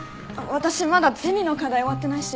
私まだゼミの課題終わってないし。